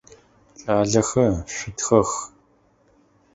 Кӏалэхэ, шъутхэх!